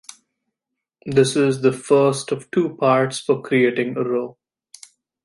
This is the first of two parts for creating a row.